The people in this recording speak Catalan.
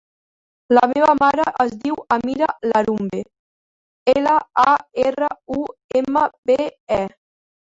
La meva mare es diu Amira Larumbe: ela, a, erra, u, ema, be, e.